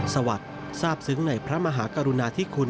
สวัสดิ์ทราบซึ้งในพระมหากรุณาธิคุณ